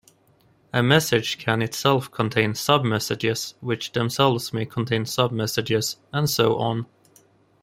A message can itself contain sub-messages which themselves may contain sub-messages, and so on.